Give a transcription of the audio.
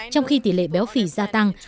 trong khi tỷ lệ béo phỉ gia tăng